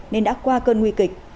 nên đã qua cơn nguy kịch